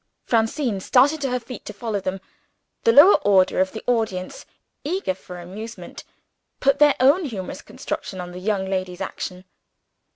Francine started to her feet to follow them. The lower order of the audience, eager for amusement, put their own humorous construction on the young lady's action.